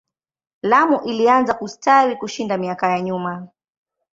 Lamu ilianza kustawi kushinda miaka ya nyuma.